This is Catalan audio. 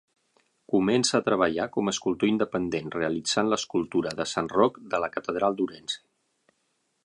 Comença a treballar com escultor independent realitzant l'escultura de Sant Roc de la catedral d'Ourense.